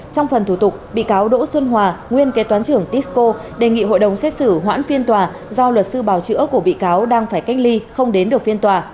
trong phần thủ tục bị cáo đỗ xuân hòa nguyên kế toán trưởng tisco đề nghị hội đồng xét xử hoãn phiên tòa do luật sư bào chữa của bị cáo đang phải cách ly không đến được phiên tòa